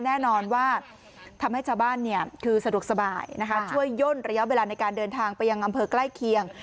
แน่นอนว่าทำให้ชาวบ้านคือสะดวกสบายช่วยย่นระยะเวลาในการเดินทางไปยังอำเภอใกล้เคียง